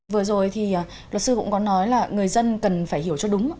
vừa rồi thì luật sư cũng có nói là người dân cần phải hiểu cho đúng